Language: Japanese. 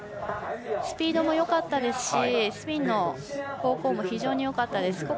スピードもよかったですしスピンの方向も非常によかったです。